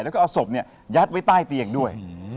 แล้วก็จะเอาสบเนี่ยยัดไว้ใต้เตียงด้วย